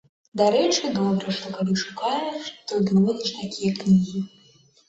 Дарэчы, добра, што калі шукаеш, то знойдзеш такія кнігі.